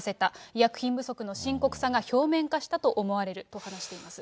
医薬品不足の深刻さが表面化したと思われると話しています。